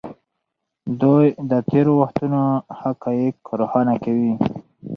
دوی د تېرو وختونو حقایق روښانه کوي.